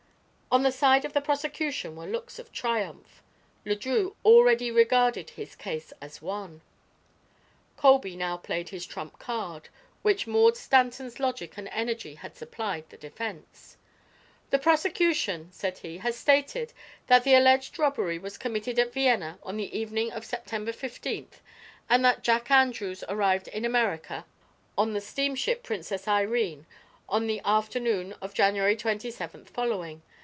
On the side of the prosecution were looks of triumph. Le Drieux already regarded his case as won. Colby now played his trump card, which Maud Stanton's logic and energy had supplied the defense. "The prosecution," said he, "has stated that the alleged robbery was committed at Vienna on the evening of September fifteenth, and that Jack Andrews arrived in America on the steamship Princess Irene on the afternoon of the January twenty seventh following.